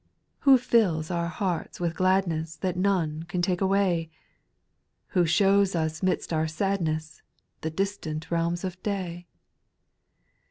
8. Who fills our hearts with gladness That none can take away ?• Who shows u« 'midst our sadness, The distant realms of day